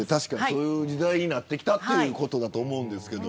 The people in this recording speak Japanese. そういう時代になってきたということだと思うんですけど。